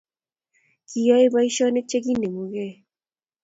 Kiyae boishonik Che kinemugei